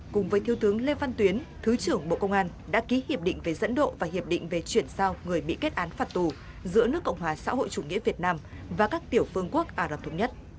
cùng với thiếu tướng lê văn tuyến thứ trưởng bộ công an đã ký hiệp định về dẫn độ và hiệp định về chuyển sao người bị kết án phạt tù giữa nước cộng hòa xã hội chủ nghĩa việt nam và các tiểu phương quốc ả rập thống nhất